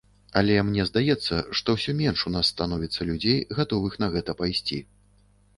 Але мне здаецца, што ўсё менш у нас становіцца людзей, гатовых на гэта пайсці.